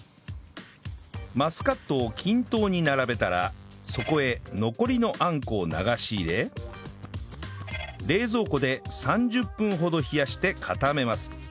マスカットを均等に並べたらそこへ残りのあんこを流し入れ冷蔵庫で３０分ほど冷やして固めます